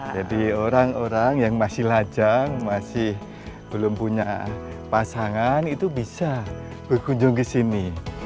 jadi orang orang yang masih lajang masih belum punya pasangan itu bisa berkunjung di sini